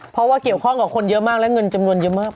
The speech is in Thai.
เพราะว่าเกี่ยวข้องกับคนเยอะมากและเงินจำนวนเยอะมาก